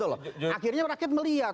akhirnya rakyat melihat